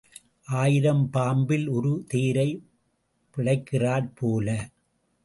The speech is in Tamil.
ஆயிரம் பாம்பில் ஒரு தேரை பிழைக்கிறாற் போல.